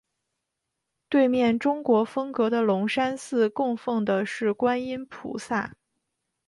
对面中国风格的龙山寺供奉的是观音菩萨。